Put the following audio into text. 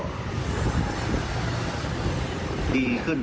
สถานการณ์ตอนนี้ก็ดีขึ้น